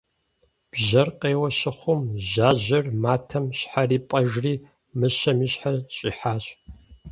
Бжьэр къеуэ щыхъум, жьажьэр матэм щхьэри-пӏэжри, мыщэм и щхьэр щӏихьащ.